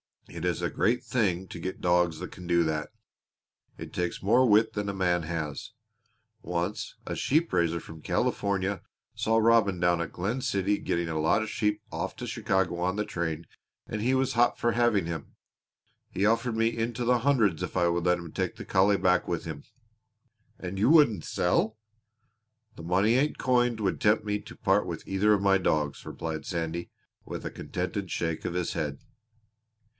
It is a great thing to get dogs that can do that. It takes more wit than a man has. Once a sheep raiser from California saw Robin down at Glen City getting a lot of sheep off to Chicago on the train and he was hot for having him. He offered me into the hundreds if I would let him take the collie back with him." "And you wouldn't sell?" "The money ain't coined would tempt me to part with either of my dogs!" Sandy replied, with a contented shake of his head.